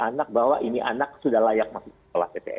anak bahwa ini anak sudah layak masuk